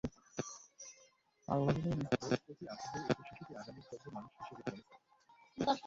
বইয়ের প্রতি আগ্রহই একটি শিশুকে আগামীর যোগ্য মানুষ হিসেবে গড়ে তুলবে।